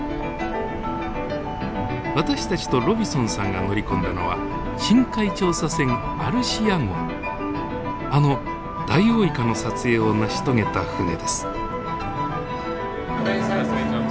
私たちとロビソンさんが乗り込んだのはあのダイオウイカの撮影を成し遂げた船です。